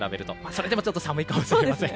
それでもちょっと寒いかもしれません。